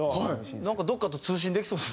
なんかどっかと通信できそうですね。